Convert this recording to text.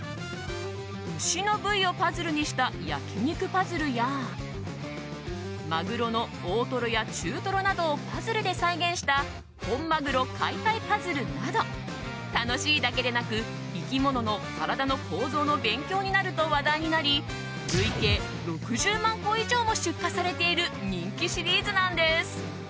牛の部位をパズルにした焼肉パズルやマグロの大トロや中トロなどをパズルで再現した本マグロ解体パズルなど楽しいだけでなく生き物の体の構造の勉強になると話題になり累計６０万個以上も出荷されている人気シリーズなんです。